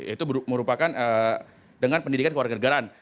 itu merupakan dengan pendidikan kewarganegaraan